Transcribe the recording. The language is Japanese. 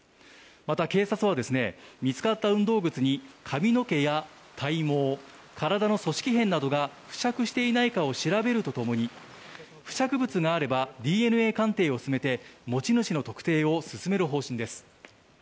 また、警察は見つかった運動靴に髪の毛や体毛、体の組織片などが付着いていないかなどを調べると共に付着物があればＤＮＡ鑑定を進めて持ち主の特定を進める方針です。